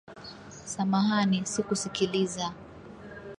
Samahani, sikusikiliza.